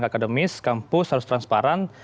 akademis kampus harus transparan